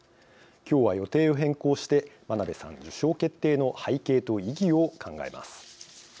きょうは予定を変更して真鍋さん受賞決定の背景と意義を考えます。